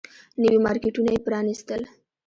نوي مارکيټونه يې پرانيستل.